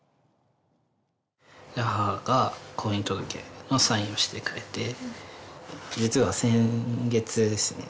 母が婚姻届のサインをしてくれて実は先月ですね